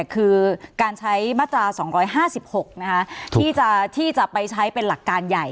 คือการใช้มาตรา๒๕๖ที่จะไปใช้เป็นหลักการใหญ่